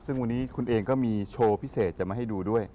ซึ่งวันนี้คุณเองก็มีโชว์พิเศษจะมาให้ดูด้วย